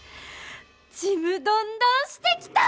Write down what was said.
ちむどんどんしてきた！